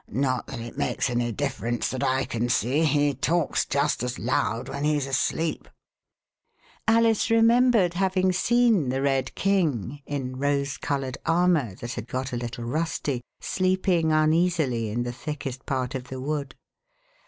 Not that it makes any difference that 1 can see — he talks just as loud when he's asleep." Alice goes to Chesterfield Alice remembered having seen the Red King, in rose coloured armour that had got a little rusty, sleep ing uneasily in the thickest part of the wood.